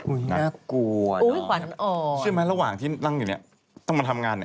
อุ๊ยน่ากลัวน่ะอุ๊ยขวัญอ่อนใช่ไหมระหว่างที่นั่งอยู่นี่ต้องมาทำงานนี่